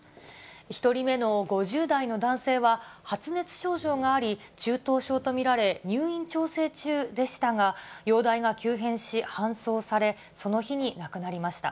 １人目の５０代の男性は、発熱症状があり、中等症と見られ、入院調整中でしたが、容体が急変し搬送され、その日に亡くなりました。